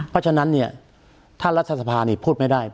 เพราะฉะนั้นท่านรัฐสภาพพูดไม่ได้